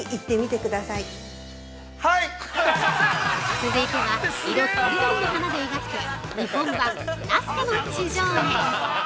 ◆続いては、色とりどりの花で描く、日本版ナスカの地上絵。